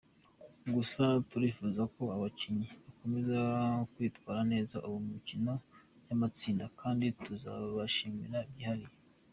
Gusa turifuza ko abakinnyi bakomeza kwitwara neza mu mikino y’amatsinda kandi tuzabashimira byihariye.